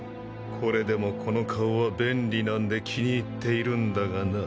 これでもこの顔は便利なんで気に入っているんだがな。